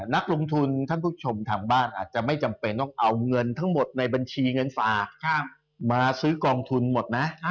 นักลงทุนท่านผู้ชมทางบ้านอาจจะไม่จำเป็นต้องเอาเงินทั้งหมดในบัญชีเงินฝากมาซื้อกองทุนหมดนะ